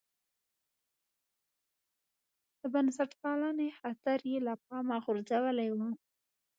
د بنسټپالنې خطر یې له پامه غورځولی و.